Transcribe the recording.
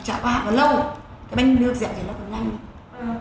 hạ chả có hạ nó lâu cái bánh nước dẹo thì nó còn nhanh